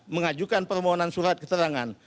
mengajukan permohonan surat keterangan